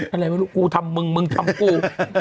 อะไรไม่รู้กูทำมึงมึงทำกู